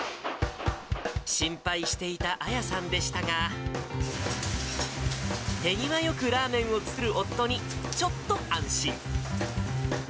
心配していた亜矢さんでしたが、手際よくラーメンを作る夫に、ちょっと安心。